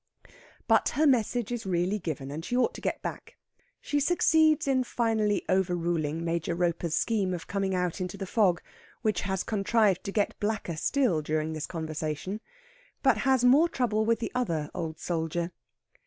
But her message is really given, and she ought to get back. She succeeds in finally overruling Major Roper's scheme of coming out into the fog, which has contrived to get blacker still during this conversation; but has more trouble with the other old soldier.